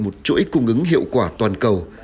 một chuỗi cung ứng hiệu quả toàn cầu